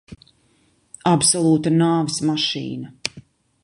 Absolūta nāves mašīna.